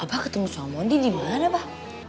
abah ketemu sama si di mana abah